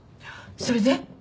それで？